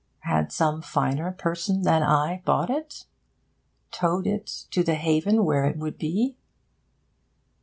Had some finer person than I bought it? towed it to the haven where it would be?